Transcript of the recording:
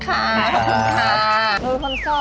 ขอบคุณค่ะ